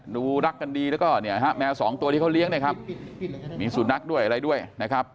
ดูรักกันดีแล้วก็เนี่ยฮะแมวสองตัวที่เขาเลี้ยงเนี่ยครับมีสุนัขด้วยอะไรด้วยนะครับ